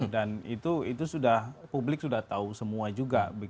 dan itu sudah publik sudah tahu semua juga